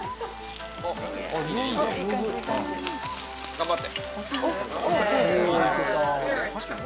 頑張って！